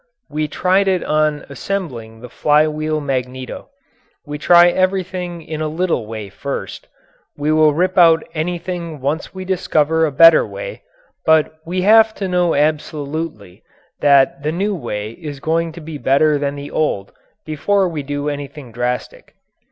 We tried it on assembling the flywheel magneto. We try everything in a little way first we will rip out anything once we discover a better way, but we have to know absolutely that the new way is going to be better than the old before we do anything drastic.